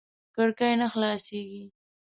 کړکۍ نه خلاصېږي .